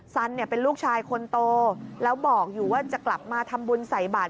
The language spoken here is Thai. สันเนี่ยเป็นลูกชายคนโตแล้วบอกอยู่ว่าจะกลับมาทำบุญใส่บาท